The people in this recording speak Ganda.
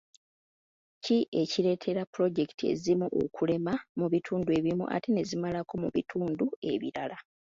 Ki ekireetera puloojekiti ezimu okulema mu bitundu ebimu ate ne zimalako mu bitundu ebirala?